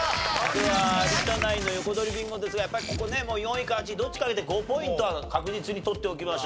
では有田ナインの横取りビンゴですがやっぱりここね４位か８位どっちか開けて５ポイントは確実に取っておきましょう。